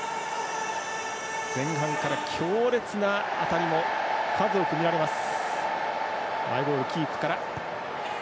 前半から強烈な当たりも数多く見られます。